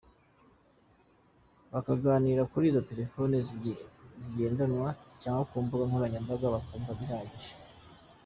Bakaganirira kuri izo telefoni zigendanwa cyangwa ku mbuga nkoranyambaga, bakumva bihagije.